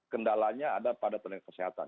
kendalanya ada pada tenaga kesehatan